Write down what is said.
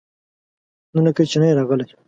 نن لکه چې نه يې راغلی؟